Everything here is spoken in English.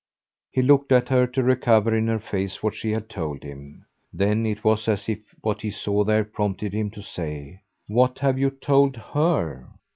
He looked at her to recover in her face what she had told him; then it was as if what he saw there prompted him to say: "What have you told HER?"